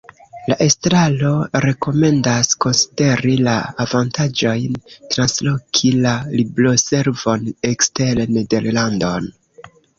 La estraro rekomendas konsideri la avantaĝojn transloki la Libroservon ekster Nederlandon.